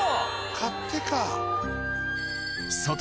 勝手か。